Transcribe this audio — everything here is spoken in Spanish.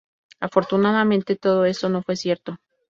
Afortunadamente todo esto no fue cierto.